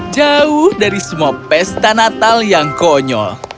jauh dari semua pesta natal yang konyol